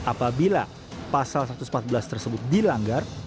apabila pasal satu ratus empat belas tersebut dilanggar